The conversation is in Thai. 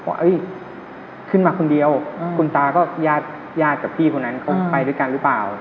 ว่าขึ้นมาคนเดียวคุณตาก็ญาติญาติกับพี่คนนั้นเขาไปด้วยกันหรือเปล่า